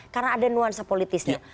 karena ada nuansa politisnya